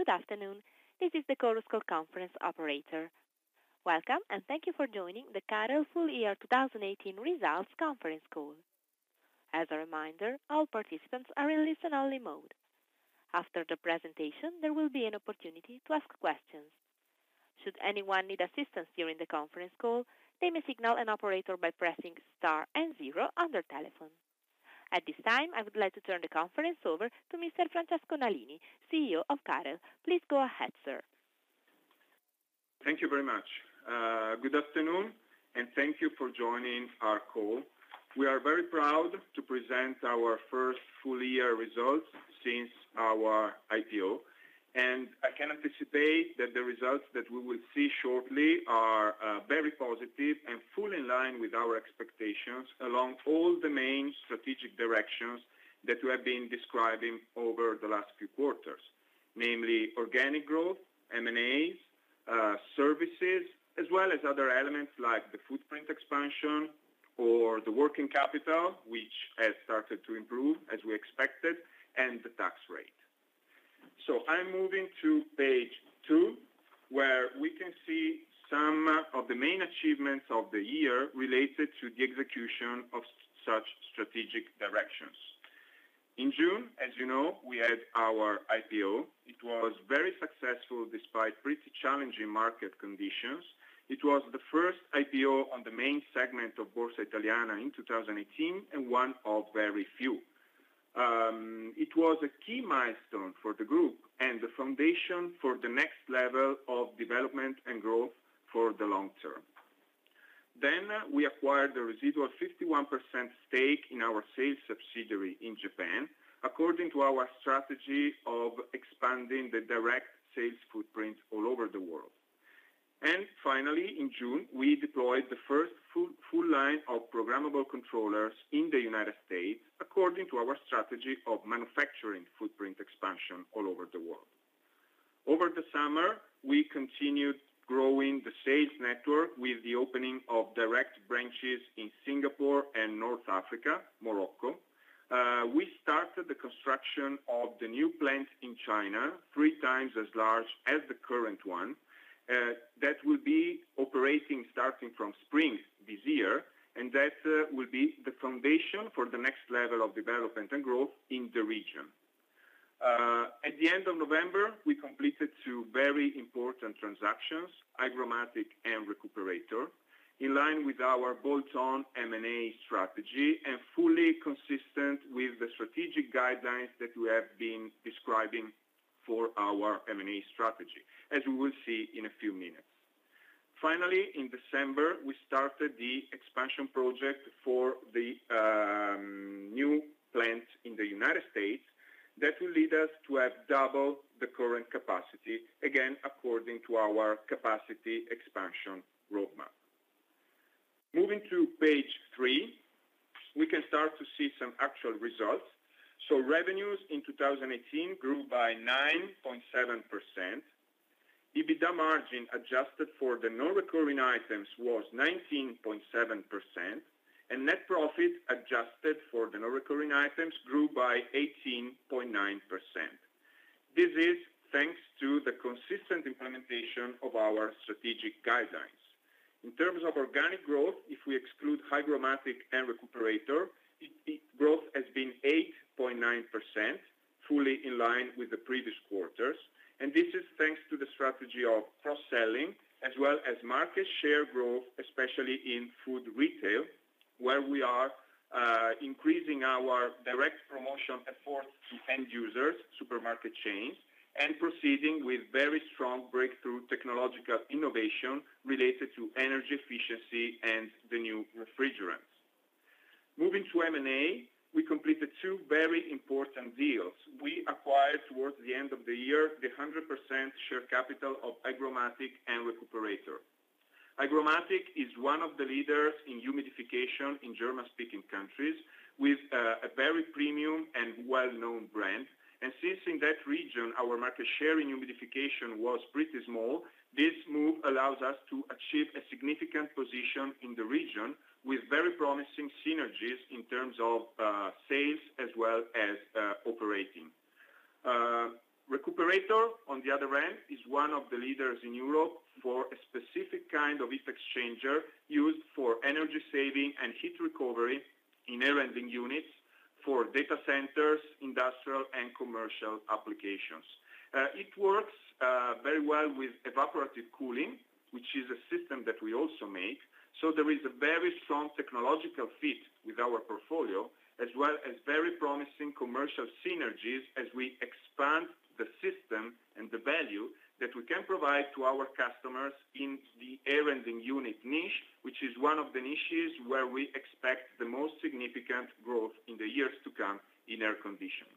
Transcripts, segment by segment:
Good afternoon. This is the Chorus Call conference operator. Welcome, and thank you for joining the Carel full year 2018 results conference call. As a reminder, all participants are in listen-only mode. After the presentation, there will be an opportunity to ask questions. Should anyone need assistance during the conference call, they may signal an operator by pressing star and zero on their telephone. At this time, I would like to turn the conference over to Mr. Francesco Nalini, CEO of Carel. Please go ahead, sir. Thank you very much. Good afternoon. Thank you for joining our call. We are very proud to present our first full year results since our IPO. I can anticipate that the results that we will see shortly are very positive and fully in line with our expectations along all the main strategic directions that we have been describing over the last few quarters. Namely, organic growth, M&As, services, as well as other elements like the footprint expansion or the working capital, which has started to improve as we expected, and the tax rate. I'm moving to page two, where we can see some of the main achievements of the year related to the execution of such strategic directions. In June, as you know, we had our IPO. It was very successful despite pretty challenging market conditions. It was the first IPO on the main segment of Borsa Italiana in 2018 and one of very few. It was a key milestone for the group and the foundation for the next level of development and growth for the long term. We acquired the residual 51% stake in our sales subsidiary in Japan, according to our strategy of expanding the direct sales footprint all over the world. Finally, in June, we deployed the first full line of programmable controllers in the U.S. according to our strategy of manufacturing footprint expansion all over the world. Over the summer, we continued growing the sales network with the opening of direct branches in Singapore and North Africa, Morocco. We started the construction of the new plant in China, three times as large as the current one. That will be operating starting from spring this year. That will be the foundation for the next level of development and growth in the region. At the end of November, we completed two very important transactions, HygroMatik and Recuperator, in line with our bolt-on M&A strategy and fully consistent with the strategic guidelines that we have been describing for our M&A strategy, as we will see in a few minutes. Finally, in December, we started the expansion project for the new plant in the U.S. that will lead us to have double the current capacity, again, according to our capacity expansion roadmap. Moving to page three, we can start to see some actual results. Revenues in 2018 grew by 9.7%. EBITDA margin, adjusted for the non-recurring items, was 19.7%. Net profit, adjusted for the non-recurring items, grew by 18.9%. This is thanks to the consistent implementation of our strategic guidelines. In terms of organic growth, if we exclude HygroMatik and Recuperator, growth has been 8.9%, fully in line with the previous quarters. This is thanks to the strategy of cross-selling as well as market share growth, especially in food retail, where we are increasing our direct promotion efforts to end users, supermarket chains, and proceeding with very strong breakthrough technological innovation related to energy efficiency and the new refrigerants. Moving to M&A, we completed two very important deals. We acquired, towards the end of the year, the 100% share capital of HygroMatik and Recuperator. HygroMatik is one of the leaders in humidification in German-speaking countries with a very premium and well-known brand. Since in that region, our market share in humidification was pretty small, this move allows us to achieve a significant position in the region with very promising synergies in terms of sales as well as operating. Recuperator, on the other end, is one of the leaders in Europe for a specific kind of heat exchanger used for energy saving and heat recovery in air handling units for data centers, industrial, and commercial applications. It works very well with evaporative cooling, which is a system that we also make, so there is a very strong technological fit with our portfolio, as well as very promising commercial synergies as we expand the system and the value that we can provide to our customers in the air handling unit niche, which is one of the niches where we expect the most significant growth in the years to come in air conditioning.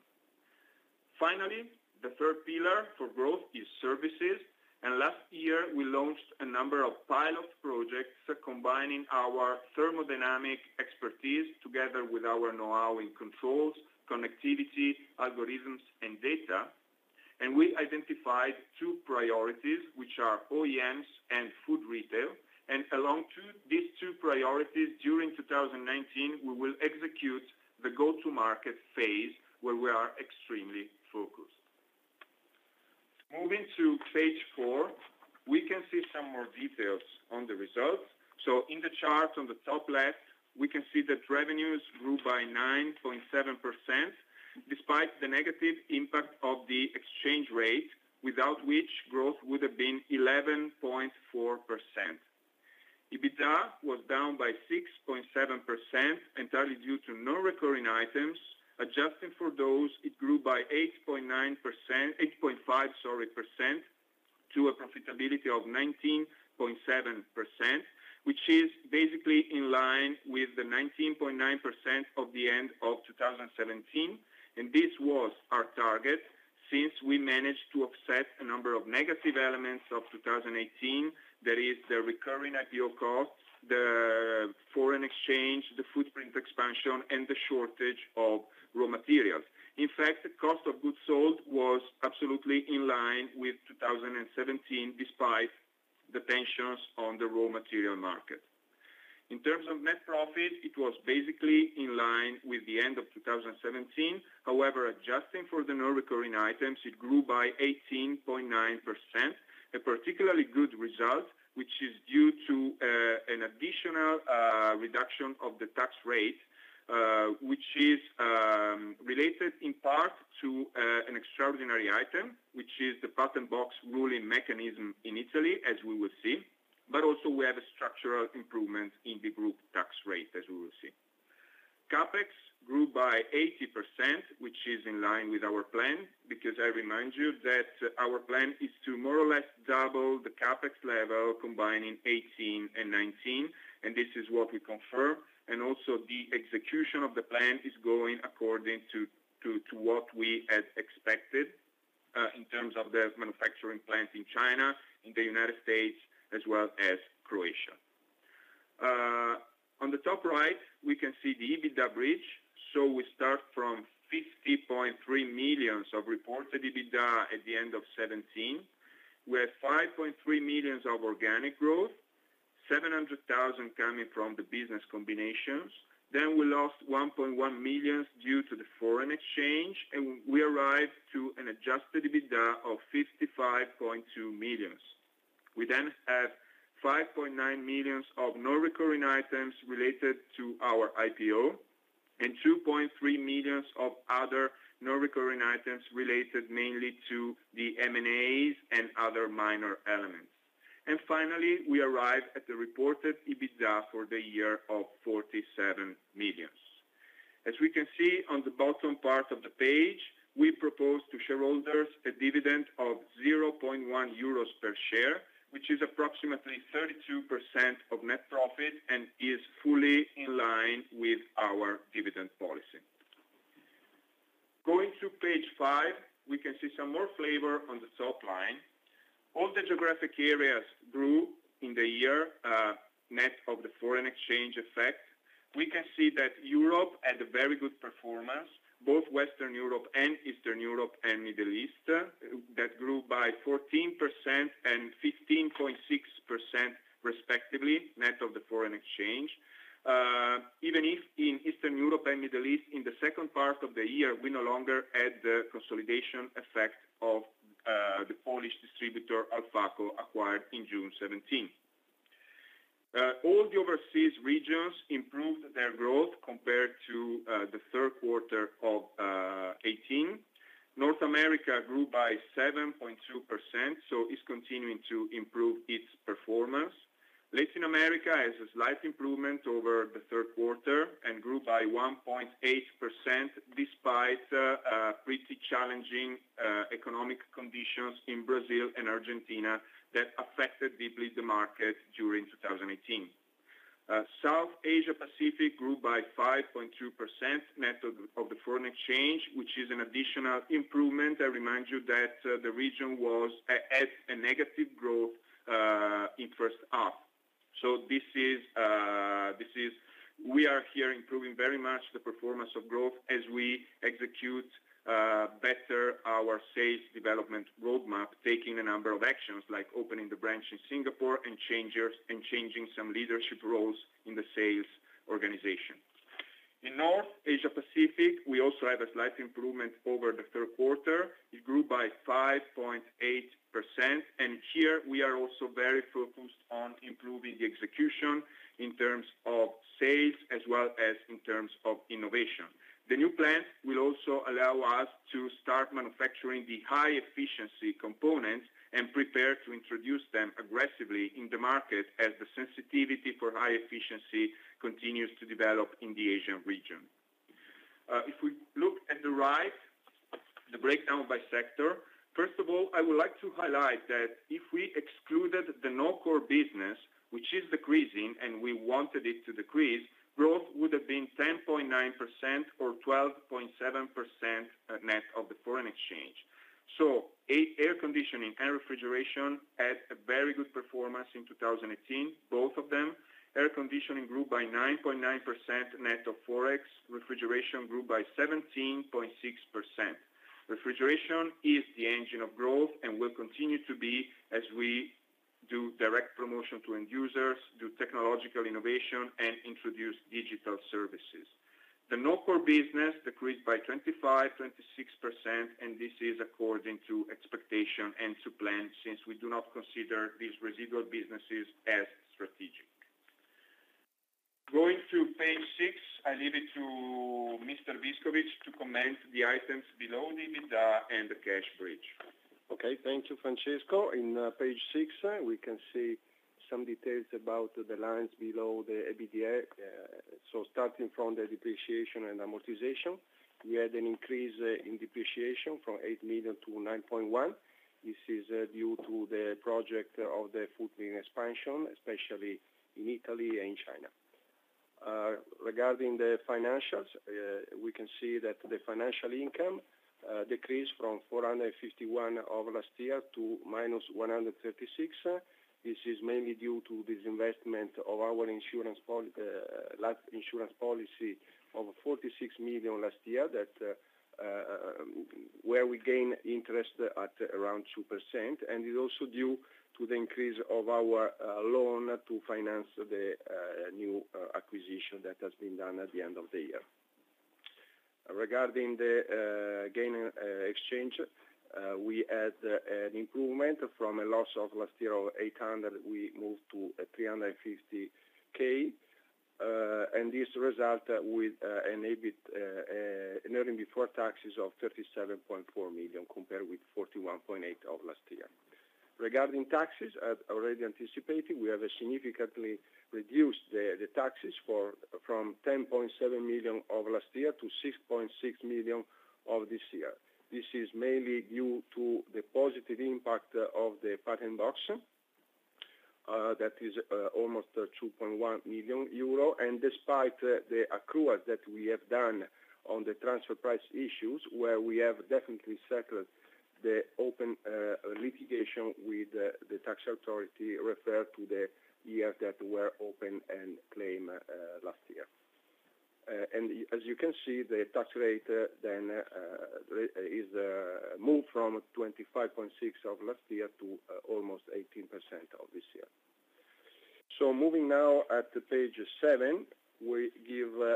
Finally, the third pillar for growth is services. Last year, we launched a number of pilot projects combining our thermodynamic expertise together with our know-how in controls, connectivity, algorithms, and data. We identified two priorities, which are OEMs and food retail. Along these two priorities, during 2019, we will execute the go-to-market phase where we are extremely focused. Moving to page four, we can see some more details on the results. In the chart on the top left, we can see that revenues grew by 9.7%, despite the negative impact of the exchange rate, without which growth would have been 11.4%. EBITDA was down by 6.7%, entirely due to non-recurring items. Adjusting for those, it grew by 8.5% to a profitability of 19.7%, which is basically in line with the 19.9% of the end of 2017. This was our target since we managed to offset a number of negative elements of 2018. That is the recurring IPO cost, the foreign exchange, the footprint expansion, and the shortage of raw materials. In fact, the cost of goods sold was absolutely in line with 2017, despite the tensions on the raw material market. In terms of net profit, it was basically in line with the end of 2017. However, adjusting for the non-recurring items, it grew by 18.9%. A particularly good result, which is due to an additional reduction of the tax rate, which is related in part to an extraordinary item, which is the Patent Box ruling mechanism in Italy, as we will see, but also we have a structural improvement in the group tax rate, as we will see. CapEx grew by 80%, which is in line with our plan, because I remind you that our plan is to more or less double the CapEx level, combining 2018 and 2019, this is what we confirm. Also the execution of the plan is going according to what we had expected in terms of the manufacturing plant in China, in the United States, as well as Croatia. On the top right, we can see the EBITDA bridge. We start from 50.3 million of reported EBITDA at the end of 2017, with 5.3 million of organic growth, 700,000 coming from the business combinations. We lost 1.1 million due to the foreign exchange, we arrive to an adjusted EBITDA of 55.2 million. We have 5.9 million of non-recurring items related to our IPO and 2.3 million of other non-recurring items related mainly to the M&As and other minor elements. Finally, we arrive at the reported EBITDA for the year of 47 million. As we can see on the bottom part of the page, we propose to shareholders a dividend of 0.1 euros per share, which is approximately 32% of net profit and is fully in line with our dividend policy. Going to page five, we can see some more flavor on the top line. All the geographic areas grew in the year, net of the foreign exchange effect. We can see that Europe had a very good performance, both Western Europe and Eastern Europe and Middle East, that grew by 14% and 15.6% respectively, net of the foreign exchange. Even if in Eastern Europe and Middle East, in the second part of the year, we no longer had the consolidation effect of the Polish distributor, Alfaco, acquired in June 2017. All the overseas regions improved their growth compared to the third quarter of 2018. North America grew by 7.2%, it's continuing to improve its performance. Latin America has a slight improvement over the third quarter and grew by 1.8%, despite pretty challenging economic conditions in Brazil and Argentina that affected deeply the market during 2018. South Asia Pacific grew by 5.2%, net of the foreign exchange, which is an additional improvement. I remind you that the region had a negative growth in first half. We are here improving very much the performance of growth as we execute better our sales development roadmap, taking a number of actions like opening the branch in Singapore and changing some leadership roles in the sales organization. In North Asia Pacific, we also have a slight improvement over the third quarter. It grew by 5.8%, here we are also very focused on improving the execution in terms of sales as well as in terms of innovation. The new plant will also allow us to start manufacturing the high-efficiency components and prepare to introduce them aggressively in the market as the sensitivity for high efficiency continues to develop in the Asian region. If we look at the right, the breakdown by sector, first of all, I would like to highlight that if we excluded the non-core business, which is decreasing, and we wanted it to decrease, growth would have been 10.9% or 12.7% net of Forex. Air conditioning and refrigeration had a very good performance in 2018, both of them. Air conditioning grew by 9.9% net of Forex, refrigeration grew by 17.6%. Refrigeration is the engine of growth and will continue to be as we do direct promotion to end users, do technological innovation, and introduce digital services. The non-core business decreased by 25%-26%, and this is according to expectation and to plan, since we do not consider these residual businesses as strategic. Going to page six, I leave it to Mr. Viscovich to comment the items below the EBITDA and the cash bridge. Thank you, Francesco. In page six, we can see some details about the lines below the EBITDA. Starting from the depreciation and amortization, we had an increase in depreciation from 8 million to 9.1 million. This is due to the project of the footprint expansion, especially in Italy and China. Regarding the financials, we can see that the financial income decreased from 451 of last year to -136. This is mainly due to disinvestment of our life insurance policy of 46 million last year, where we gain interest at around 2%. It is also due to the increase of our loan to finance the new acquisition that has been done at the end of the year. Regarding the gain exchange, we had an improvement from a loss of last year of 800, we moved to 350K. This result with an earning before taxes of 37.4 million, compared with 41.8 million of last year. Regarding taxes, as already anticipated, we have significantly reduced the taxes from 10.7 million of last year to 6.6 million of this year. This is mainly due to the positive impact of the Patent Box. That is almost 2.1 million euro. And despite the accrual that we have done on the transfer price issues, where we have definitely settled the open litigation with the tax authority, refer to the year that were open and claim last year. As you can see, the tax rate is moved from 25.6% of last year to almost 18% of this year. Moving now at page seven, we give a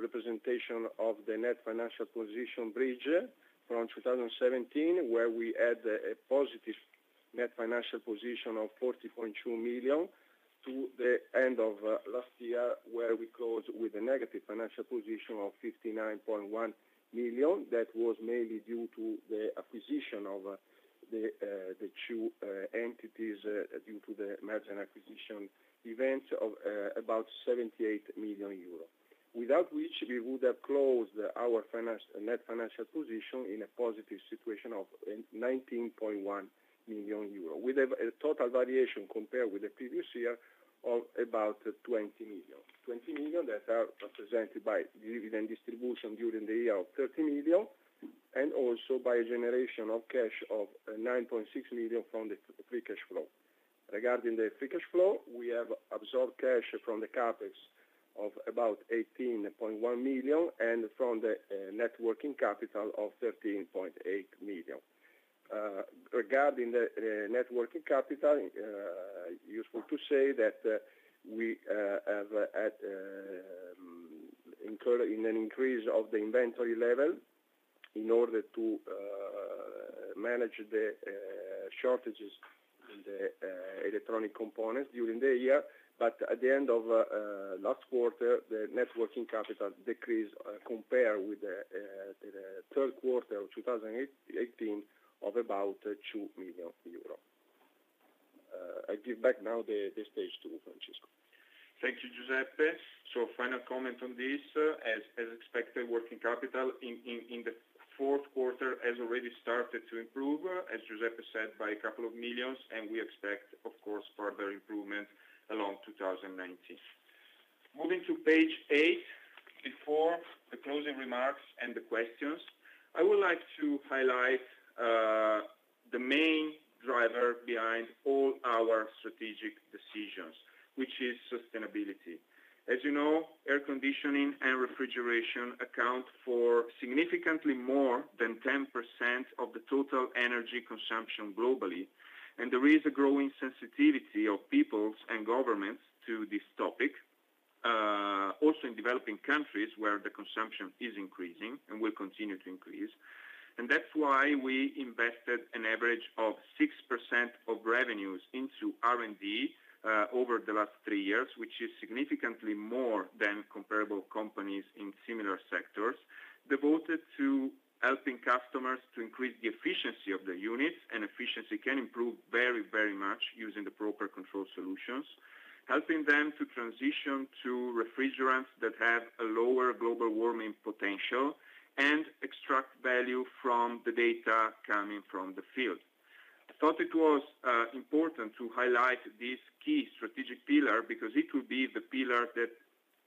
representation of the net financial position bridge from 2017, where we had a positive net financial position of 40.2 million to the end of last year, where we closed with a negative financial position of 59.1 million. That was mainly due to the acquisition of the two entities due to the merger and acquisition event of about 78 million euros. Without which, we would have closed our net financial position in a positive situation of 19.1 million euro, with a total variation compared with the previous year of about 20 million. 20 million that are represented by dividend distribution during the year of 30 million, and also by a generation of cash of 9.6 million from the free cash flow. Regarding the free cash flow, we have absorbed cash from the CapEx of about 18.1 million, and from the net working capital of 13.8 million. Regarding the net working capital, useful to say that we have had an increase of the inventory level in order to manage the shortages in the electronic components during the year. At the end of last quarter, the net working capital decreased compared with the third quarter of 2018, of about 2 million euros. I give back now the stage to Francesco. Thank you, Giuseppe. Final comment on this. As expected, working capital in the fourth quarter has already started to improve, as Giuseppe said, by a couple of million. We expect, of course, further improvement along 2019. Moving to page eight, before the closing remarks and the questions, I would like to highlight the main driver behind all our strategic decisions, which is sustainability. As you know, air conditioning and refrigeration account for significantly more than 10% of the total energy consumption globally, and there is a growing sensitivity of people and governments to this topic. Also in developing countries, where the consumption is increasing and will continue to increase. That's why we invested an average of 6% of revenues into R&D over the last three years, which is significantly more than comparable companies in similar sectors, devoted to helping customers to increase the efficiency of their units. Efficiency can improve very much using the proper control solutions. Helping them to transition to refrigerants that have a lower global warming potential, and extract value from the data coming from the field. I thought it was important to highlight this key strategic pillar, because it will be the pillar that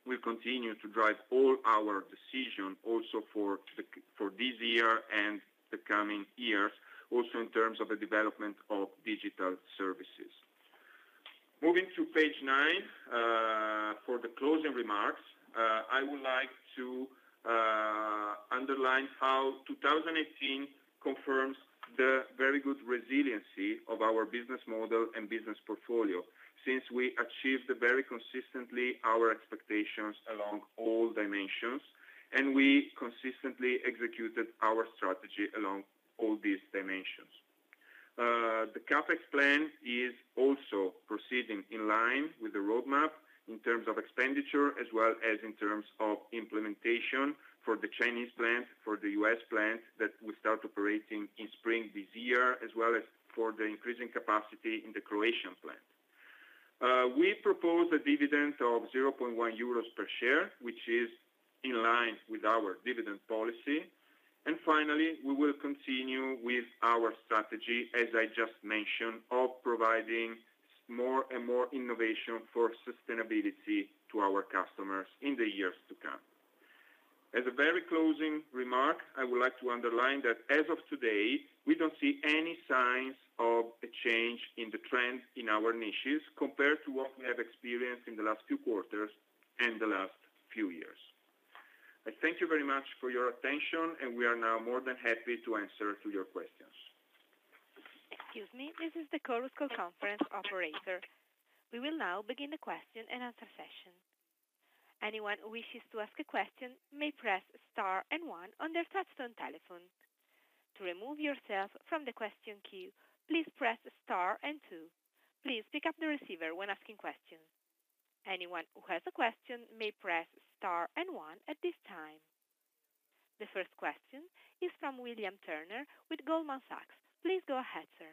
will continue to drive all our decision also for this year and the coming years, also in terms of the development of digital services. Moving to page nine, for the closing remarks, I would like to underline how 2018 confirms the very good resiliency of our business model and business portfolio, since we achieved very consistently our expectations along all dimensions, and we consistently executed our strategy along all these dimensions. The CapEx plan is also proceeding in line with the roadmap in terms of expenditure, as well as in terms of implementation for the Chinese plant, for the U.S. plant that will start operating in spring this year, as well as for the increasing capacity in the Croatian plant. We propose a dividend of 0.1 euros per share, which is in line with our dividend policy. Finally, we will continue with our strategy, as I just mentioned, of providing more and more innovation for sustainability to our customers in the years to come. As a very closing remark, I would like to underline that as of today, we don't see any signs of a change in the trend in our niches compared to what we have experienced in the last few quarters and the last few years. I thank you very much for your attention, and we are now more than happy to answer to your questions. Excuse me, this is the Chorus Call conference operator. We will now begin the question and answer session. Anyone who wishes to ask a question may press Star and One on their touch-tone telephone. To remove yourself from the question queue, please press Star and Two. Please pick up the receiver when asking questions. Anyone who has a question may press Star and One at this time. The first question is from William Turner with Goldman Sachs. Please go ahead, sir.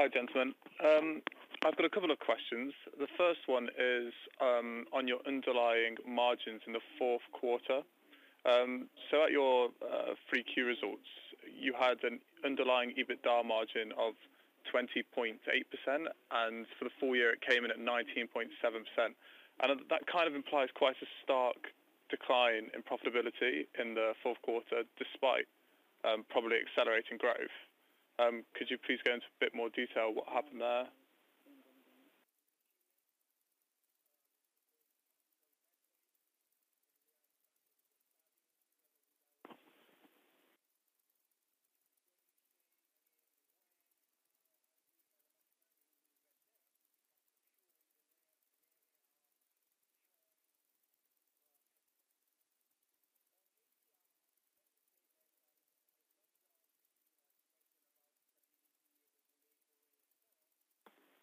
Hi, gentlemen. I've got a couple of questions. The first one is on your underlying margins in the fourth quarter. At your 3Q results, you had an underlying EBITDA margin of 20.8%, and for the full year, it came in at 19.7%. That kind of implies quite a stark decline in profitability in the fourth quarter, despite probably accelerating growth. Could you please go into a bit more detail what happened there?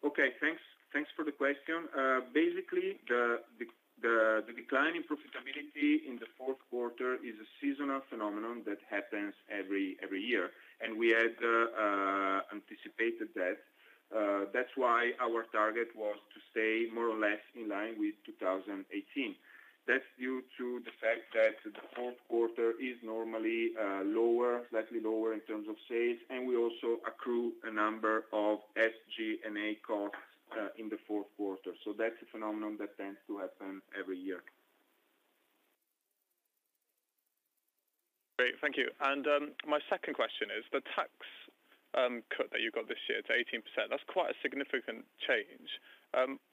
Okay. Thanks for the question. Basically, the decline in profitability in the fourth quarter is a seasonal phenomenon that happens every year, and we had anticipated that. That's why our target was to stay more or less in line with 2018. That's due to the fact that the fourth quarter is normally slightly lower in terms of sales, and we also accrue a number of SG&A costs in the fourth quarter. That's a phenomenon that tends to happen every year. Great. Thank you. My second question is, the tax cut that you got this year to 18%, that's quite a significant change.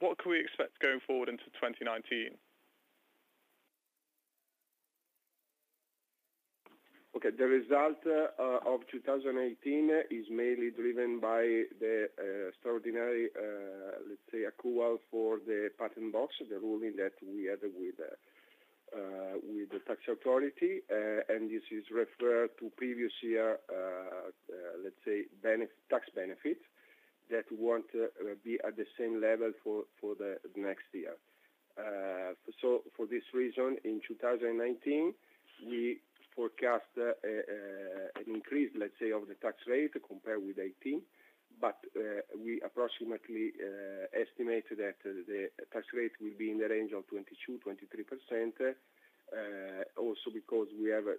What could we expect going forward into 2019? Okay. The result of 2018 is mainly driven by the extraordinary, let's say, accrual for the Patent Box, the ruling that we had with the tax authority, and this is referred to previous year, let's say, tax benefit, that won't be at the same level for the next year. For this reason, in 2019, we forecast an increase, let's say, of the tax rate compared with 2018, we approximately estimated that the tax rate will be in the range of 22%-23%, also because we have a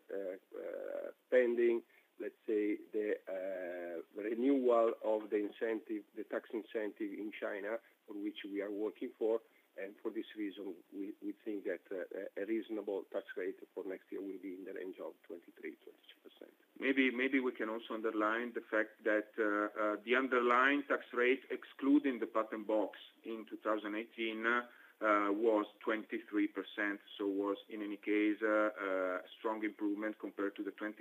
pending, let's say, the renewal of the tax incentive in China, for which we are working for. For this reason, we think that a reasonable tax rate for next year will be in the range of 23%-22%. Maybe we can also underline the fact that the underlying tax rate, excluding the Patent Box in 2018, was 23%, was in any case a strong improvement compared to the 26%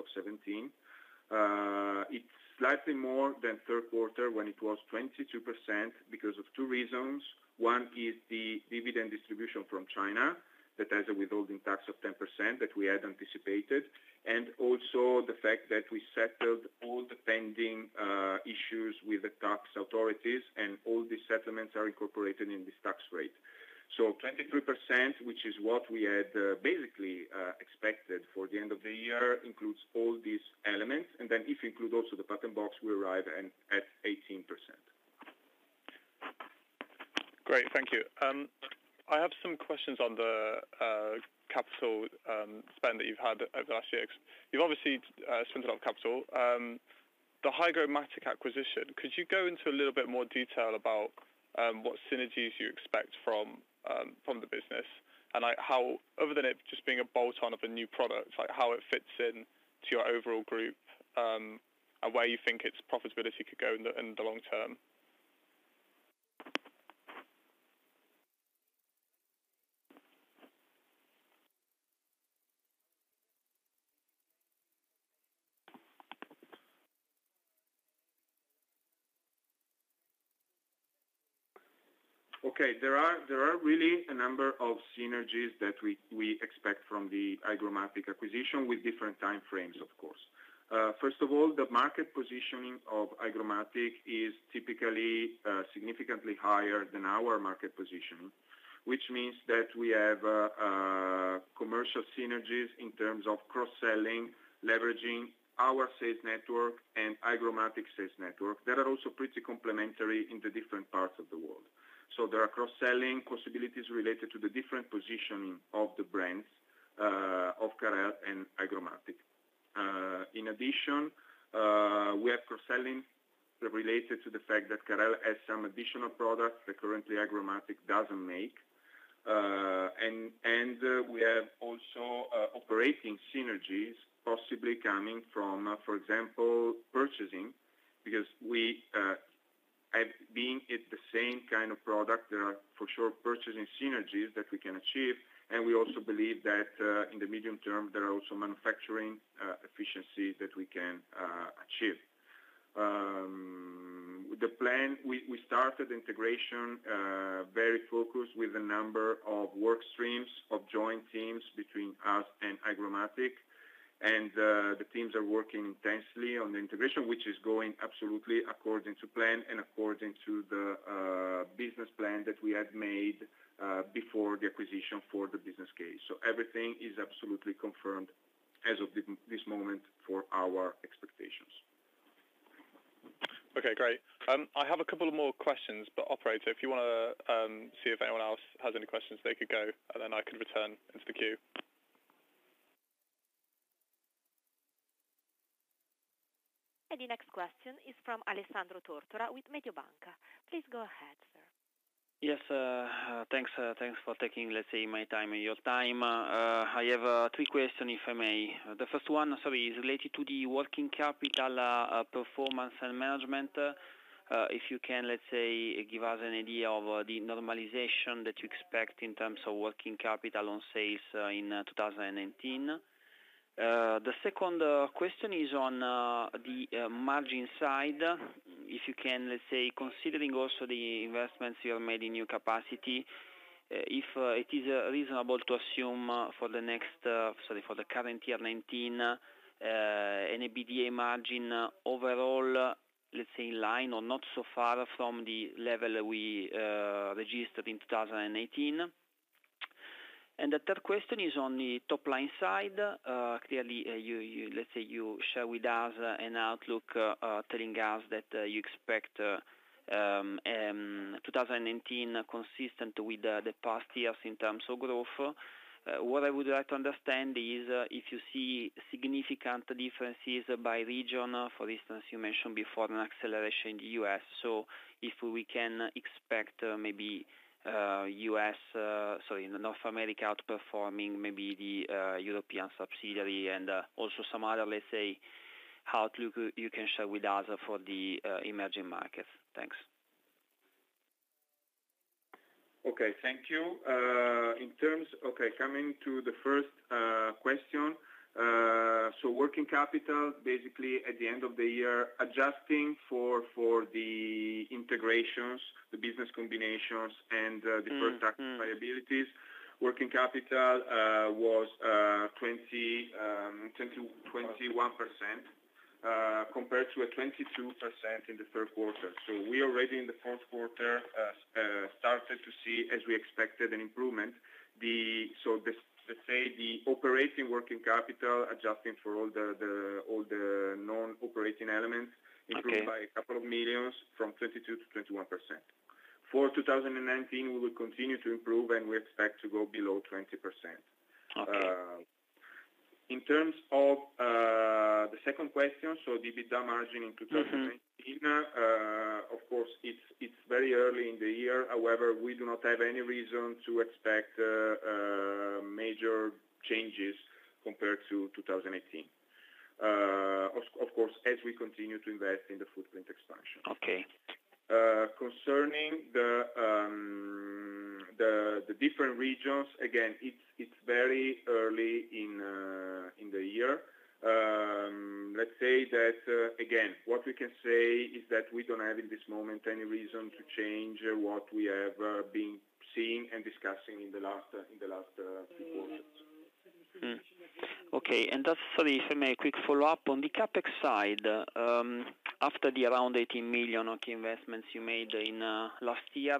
of 2017. It's slightly more than third quarter when it was 22% because of two reasons. One is the dividend distribution from China that has a withholding tax of 10% that we had anticipated, and also the fact that we settled all the pending issues with the tax authorities, and all these settlements are incorporated in this tax rate. 23%, which is what we had basically expected for the end of the year, includes all these elements, and then if you include also the Patent Box, we arrive at 18%. Great. Thank you. I have some questions on the capital spend that you've had over the last year, because you've obviously spent a lot of capital. The HygroMatik acquisition, could you go into a little bit more detail about what synergies you expect from the business, and other than it just being a bolt-on of a new product, how it fits in to your overall group, and where you think its profitability could go in the long term? Okay. There are really a number of synergies that we expect from the HygroMatik acquisition with different time frames, of course. First of all, the market positioning of HygroMatik is typically significantly higher than our market positioning, which means that we have commercial synergies in terms of cross-selling, leveraging our sales network and HygroMatik sales network that are also pretty complementary in the different parts of the world. There are cross-selling possibilities related to the different positioning of the brands of Carel and HygroMatik. In addition, we have cross-selling related to the fact that Carel has some additional products that currently HygroMatik doesn't make. We have also operating synergies possibly coming from, for example, purchasing, because being it's the same kind of product, there are for sure purchasing synergies that we can achieve. We also believe that in the medium term, there are also manufacturing efficiencies that we can achieve. We started integration very focused with a number of work streams of joint teams between us and HygroMatik. The teams are working intensely on the integration, which is going absolutely according to plan and according to the business plan that we had made before the acquisition for the business case. Everything is absolutely confirmed as of this moment for our expectations. Okay, great. I have a couple of more questions, operator, if you want to see if anyone else has any questions, they could go, and then I can return into the queue. The next question is from Alessandro Tortora with Mediobanca. Please go ahead, sir. Yes, thanks for taking, let's say, my time and your time. I have three questions, if I may. The first one, sorry, is related to the working capital performance and management. If you can, let's say, give us an idea of the normalization that you expect in terms of working capital on sales in 2019. The second question is on the margin side. If you can, let's say, considering also the investments you have made in new capacity, if it is reasonable to assume for the next, sorry, for the current year 2019, an EBITDA margin overall, let's say, in line or not so far from the level we registered in 2018. The third question is on the top-line side. Clearly, let's say, you share with us an outlook telling us that you expect 2019 consistent with the past years in terms of growth. What I would like to understand is if you see significant differences by region. For instance, you mentioned before an acceleration in the U.S., so if we can expect maybe U.S., sorry, North America outperforming maybe the European subsidiary and also some other, let's say, outlook you can share with us for the emerging markets. Thanks. Okay, thank you. Coming to the first question. Working capital, basically at the end of the year, adjusting for the integrations, the business combinations, and the deferred tax liabilities, working capital was 21% compared to a 22% in the third quarter. We already in the fourth quarter started to see, as we expected, an improvement. Let's say the operating working capital, adjusting for all the non-operating elements- Okay improved by a couple of million from 22% to 21%. For 2019, we will continue to improve, and we expect to go below 20%. Okay. In terms of the second question, EBITDA margin in 2019. Of course, it's very early in the year. However, we do not have any reason to expect major changes compared to 2018. Of course, as we continue to invest in the footprint expansion. Okay. Concerning the different regions, again, it's very early in the year. Let's say that, again, what we can say is that we don't have at this moment any reason to change what we have been seeing and discussing in the last three quarters. Okay. Just sorry, if I may, a quick follow-up. On the CapEx side, after the around 18 million okay investments you made in last year,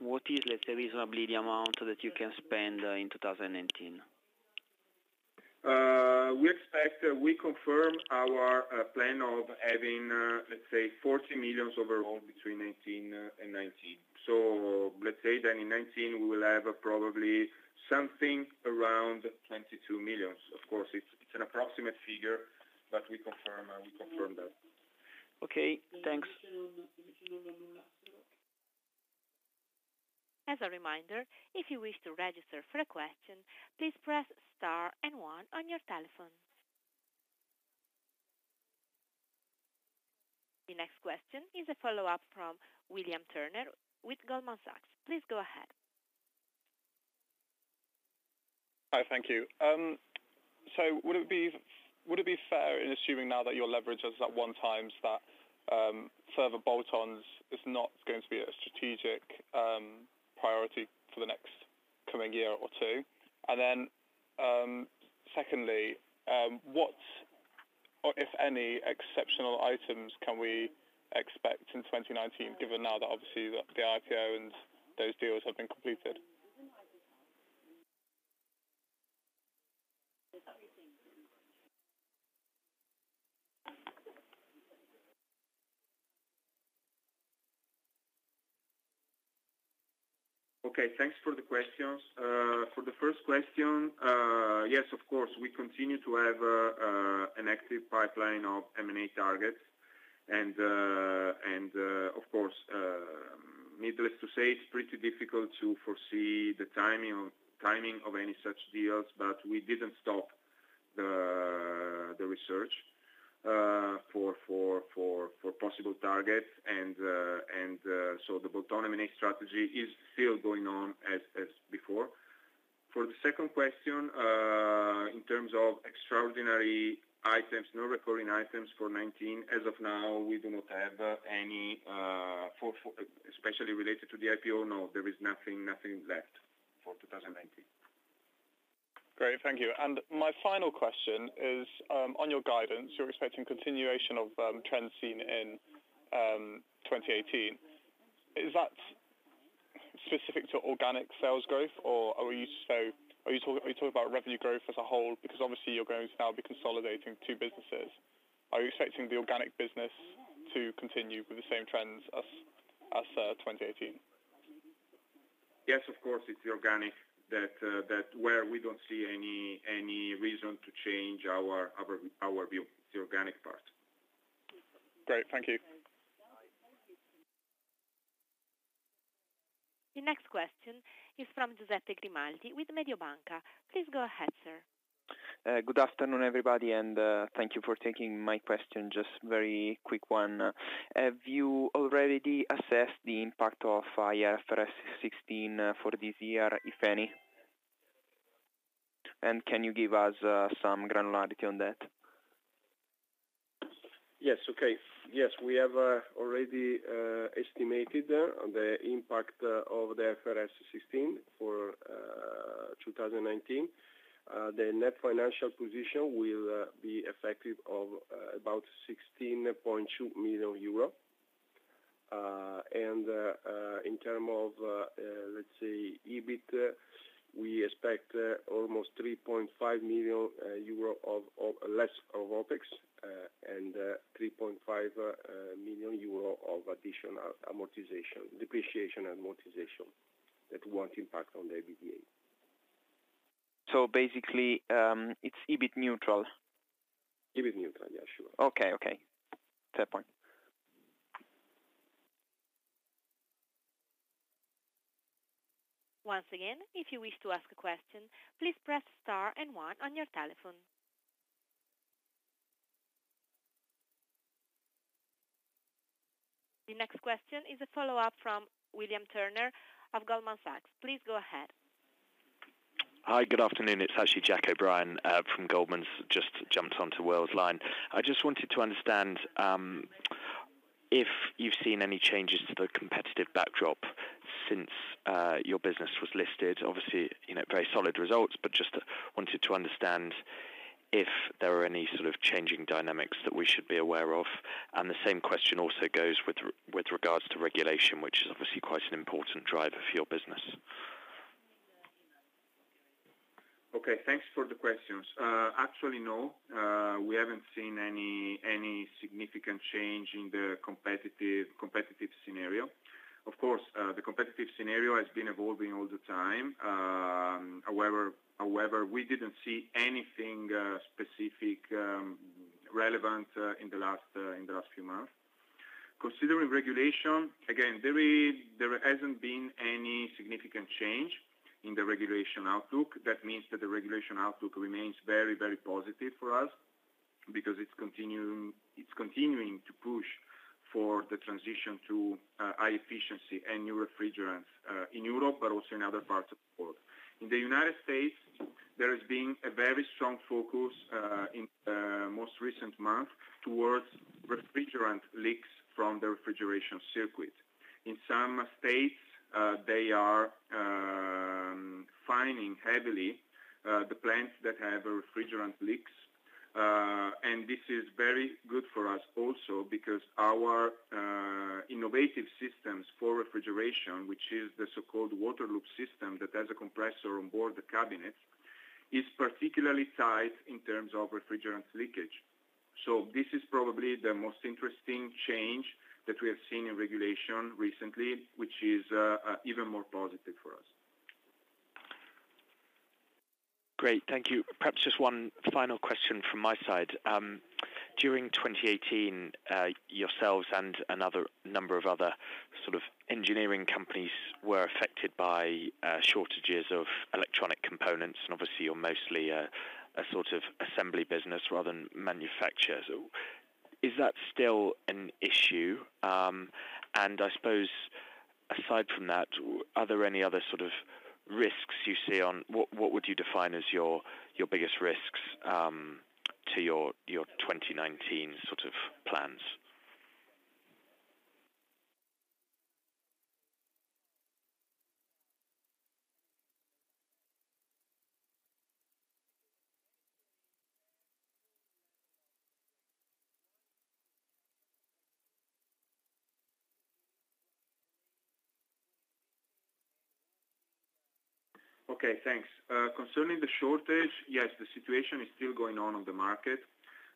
what is, let's say, reasonably the amount that you can spend in 2019? We confirm our plan of having, let's say, 40 million overall between 2018 and 2019. Let's say then in 2019, we will have probably something around 22 million. Of course, it's an approximate figure, we confirm that. Okay, thanks. As a reminder, if you wish to register for a question, please press star and one on your telephone. The next question is a follow-up from William Turner with Goldman Sachs. Please go ahead. Hi. Thank you. Would it be fair in assuming now that your leverage is at one times that further bolt-ons is not going to be a strategic priority for the next coming year or two? Secondly, what, if any, exceptional items can we expect in 2019 given now that obviously the IPO and those deals have been completed? Okay, thanks for the questions. For the first question, yes, of course, we continue to have an active pipeline of M&A targets. Of course, needless to say, it's pretty difficult to foresee the timing of any such deals, but we didn't stop the research for possible targets. The bolt-on M&A strategy is still going on as before. For the second question, in terms of extraordinary items, non-recurring items for 2019, as of now, we do not have any. Especially related to the IPO, no, there is nothing left for 2019. Great. Thank you. My final question is, on your guidance, you're expecting continuation of trends seen in 2018. Is that specific to organic sales growth, or are you talking about revenue growth as a whole? Because obviously you're going to now be consolidating two businesses. Are you expecting the organic business to continue with the same trends as 2018? Yes, of course, it's the organic where we don't see any reason to change our view. It's the organic part. Great. Thank you. The next question is from Giuseppe Grimaldi with Mediobanca. Please go ahead, sir. Good afternoon, everybody, and thank you for taking my question. Just very quick one. Have you already assessed the impact of IFRS 16 for this year, if any? Can you give us some granularity on that? Yes. Okay. Yes, we have already estimated the impact of the IFRS 16 for 2019. The net financial position will be effective of about 16.2 million euro. In term of, let's say, EBIT, we expect almost 3.5 million euro of less OpEx, and 3.5 million euro of additional amortization, depreciation, and amortization that won't impact on the EBITDA. Basically, it's EBIT neutral? EBIT neutral. Yeah, sure. Okay. Fair point. Once again, if you wish to ask a question, please press star and one on your telephone. The next question is a follow-up from William Turner of Goldman Sachs. Please go ahead. Hi. Good afternoon. It is actually Jack O'Brien from Goldman's. Just jumped onto Will's line. I just wanted to understand if you have seen any changes to the competitive backdrop since your business was listed. Obviously, very solid results, but just wanted to understand if there are any sort of changing dynamics that we should be aware of. The same question also goes with regards to regulation, which is obviously quite an important driver for your business. Okay, thanks for the questions. Actually, no, we haven't seen any significant change in the competitive scenario. Of course, the competitive scenario has been evolving all the time. However, we did not see anything specific relevant in the last few months. Considering regulation, again, there has not been any significant change in the regulation outlook. That means that the regulation outlook remains very positive for us because it is continuing to push for the transition to high efficiency and new refrigerants, in Europe, but also in other parts of the world. In the United States, there has been a very strong focus in most recent month towards refrigerant leaks from the refrigeration circuit. In some states, they are fining heavily the plants that have refrigerant leaks. This is very good for us also because our innovative systems for refrigeration, which is the so-called water loop system that has a compressor on board the cabinet is particularly tight in terms of refrigerant leakage. This is probably the most interesting change that we have seen in regulation recently, which is even more positive for us. Great. Thank you. Perhaps just one final question from my side. During 2018, yourselves and a number of other engineering companies were affected by shortages of electronic components, and obviously you're mostly a sort of assembly business rather than manufacturer. Is that still an issue? I suppose aside from that, are there any other sort of risks you see? What would you define as your biggest risks to your 2019 plans? Okay, thanks. Concerning the shortage, yes, the situation is still going on in the market.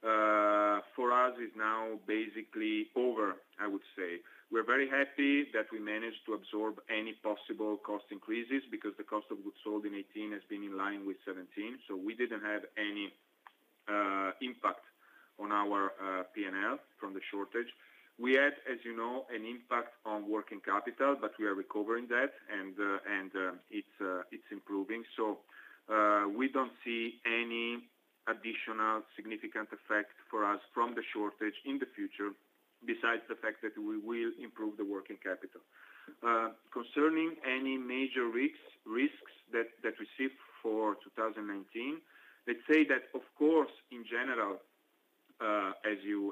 For us, it's now basically over, I would say. We're very happy that we managed to absorb any possible cost increases because the cost of goods sold in 2018 has been in line with 2017. We didn't have any impact on our P&L from the shortage. We had, as you know, an impact on working capital, but we are recovering that, and it's improving. We don't see any additional significant effect for us from the shortage in the future, besides the fact that we will improve the working capital. Concerning any major risks that we see for 2019, let's say that, of course, in general,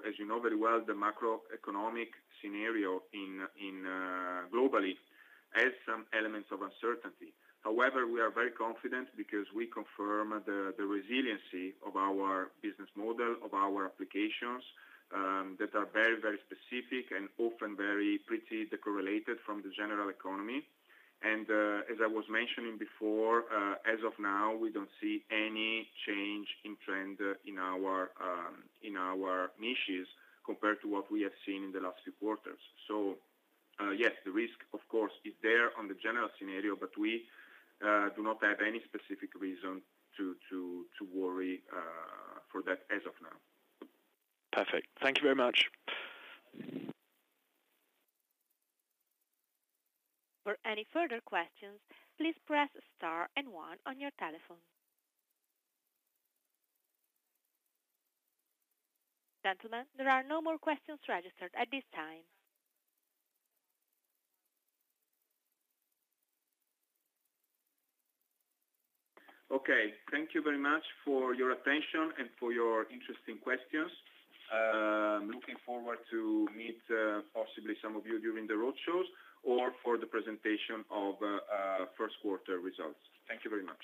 as you know very well, the macroeconomic scenario globally has some elements of uncertainty. However, we are very confident because we confirm the resiliency of our business model, of our applications, that are very specific and often very pretty de-correlated from the general economy. As I was mentioning before, as of now, we don't see any change in trend in our niches compared to what we have seen in the last few quarters. Yes, the risk, of course, is there on the general scenario, but we do not have any specific reason to worry for that as of now. Perfect. Thank you very much. For any further questions, please press star and one on your telephone. Gentlemen, there are no more questions registered at this time. Okay. Thank you very much for your attention and for your interesting questions. Looking forward to meet possibly some of you during the roadshows or for the presentation of first quarter results. Thank you very much.